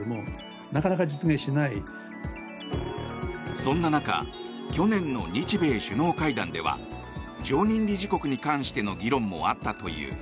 そんな中去年の日米首脳会談では常任理事国に関しての議論もあったという。